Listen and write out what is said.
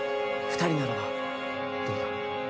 二人ならばどうだ？